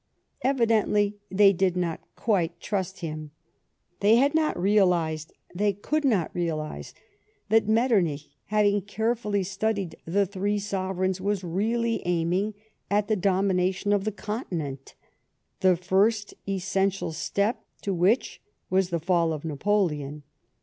Evidently they did not quite trust him. They had not realised, they could not realise, that Metternich, having carefully studied the three sovereigns, was really aiming at the domination of the Continent ; the first essential step to which was the fall of Napoleon.